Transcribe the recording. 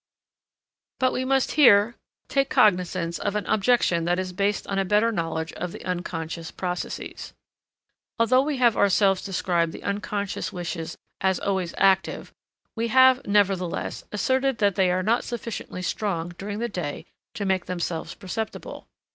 But we must here take cognizance of an objection that is based on a better knowledge of the unconscious processes. Although we have ourselves described the unconscious wishes as always active, we have, nevertheless, asserted that they are not sufficiently strong during the day to make themselves perceptible.